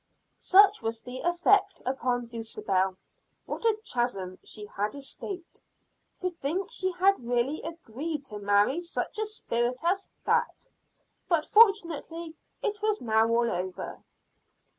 Such was the effect upon Dulcibel. What a chasm she had escaped. To think she had really agreed to marry such a spirit as that! But fortunately it was now all over.